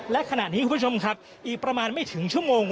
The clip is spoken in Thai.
และขณะนี้คุณผู้ชมครับอีกประมาณไม่ถึงชั่วโมง